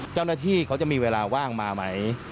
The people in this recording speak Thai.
เจ้าหน้าที่เขาจะมีเวลาว่างมาไหม